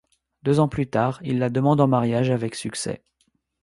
Deux ans plus tard, il la demande en mariage, avec succès.